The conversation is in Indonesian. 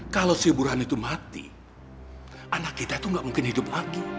kalau si burhan itu mati anak kita itu gak mungkin hidup lagi